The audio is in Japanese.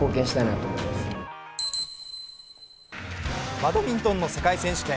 バドミントンの世界選手権。